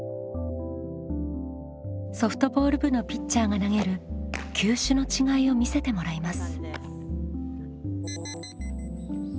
ソフトボール部のピッチャーが投げる球種の違いを見せてもらいます。